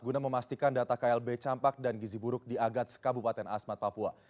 guna memastikan data klb campak dan gizi buruk di agats kabupaten asmat papua